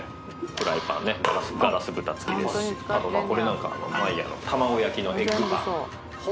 フライパンねガラス蓋付きですしあとまあこれなんかＭＥＹＥＲの卵焼きのエッグパン